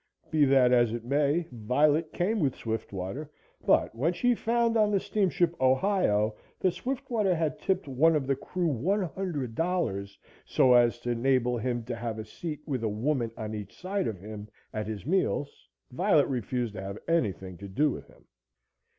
Be that as it may, Violet came with Swiftwater, but, when she found on the steamship "Ohio" that Swiftwater had tipped one of the crew $100 so as to enable him to have a seat with a woman on each side of him at his meals, Violet refused to have anything to do with him.